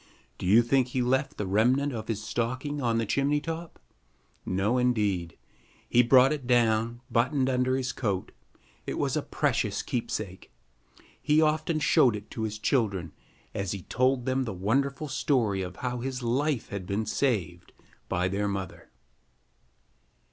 Do you think he left the remnant of his stocking on the chimney top? No, indeed. He brought it down, buttoned under his coat. It was a precious keepsake. He often showed it to his children, as he told them the wonderful story of how his life had been saved by their mother.